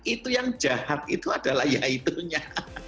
itu yang jahat itu adalah yaitunya